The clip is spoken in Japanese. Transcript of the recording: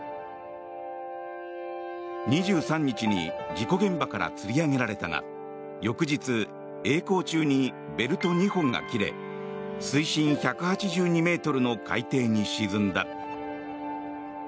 ２３日に事故現場からつり上げられたが翌日、えい航中にベルト２本が切れ水深１８２ｍの海底に沈んだ。